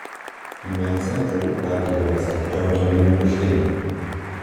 Die Maine Central bleibt jedoch als Tochterunternehmen bestehen.